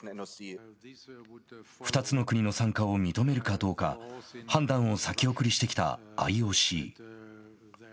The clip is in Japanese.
２つの国の参加を認めるかどうか判断を先送りしてきたＩＯＣ。